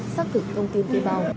xác thực thông tin thuê bao